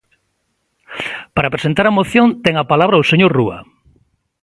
Para presentar a moción ten a palabra o señor Rúa.